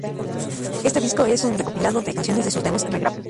Este disco es un recopilado de canciones de sus demos regrabados.